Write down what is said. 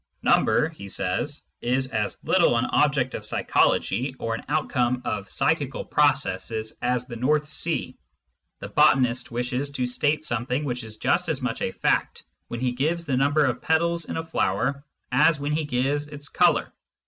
" Number," he says, "is as little an object of psychology or an outcome of pscyhical processes as the North Sea. ... The botanist wishes to state something which is just as much a fact when he gives the number of petals in a flower as when he gives its colour.